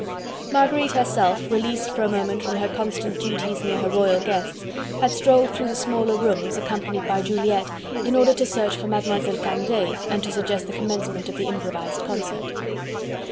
Marguerite herself, released for a moment from her constant duties near her royal guests, had strolled through the smaller rooms, accompanied by Juliette, in order to search for Mademoiselle Candeille and to suggest the commencement of the improvised concert.